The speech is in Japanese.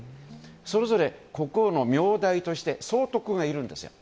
それぞれ国王の名代として総督がいるんですよ。